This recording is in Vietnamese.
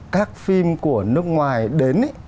các phim của nước ngoài đến